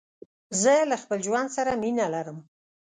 زه له خپل ژوند سره مينه لرم.